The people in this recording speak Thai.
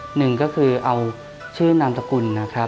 หนึ่งก็คือเอาชื่อนามตะกุล